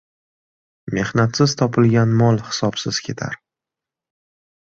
Mehnatsiz topilgan mol hisobsiz ketar.